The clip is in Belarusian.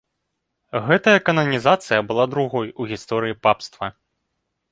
Гэтая кананізацыя была другой у гісторыі папства.